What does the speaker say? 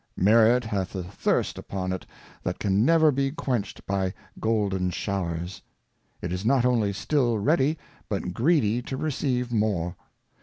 Merit hath a Thirst upon it that can never be quenched by golden Showers. It is not only still ready, but greedy to receive more.